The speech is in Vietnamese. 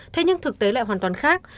thế nhưng thực tế lại hoàn toàn khác